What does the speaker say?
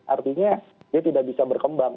artinya dia tidak bisa berkembang